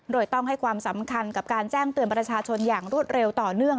โดยต้องให้ความสำคัญกับการแจ้งเตือนประชาชนอย่างรวดเร็วต่อเนื่อง